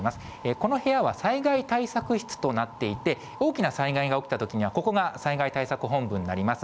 この部屋は災害対策室となっていて、大きな災害が起きたときには、ここが災害対策本部になります。